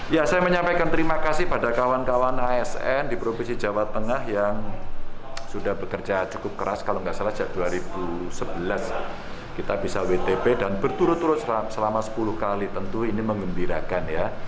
ya saya menyampaikan terima kasih pada kawan kawan asn di provinsi jawa tengah yang sudah bekerja cukup keras kalau nggak salah sejak dua ribu sebelas kita bisa wtp dan berturut turut selama sepuluh kali tentu ini mengembirakan ya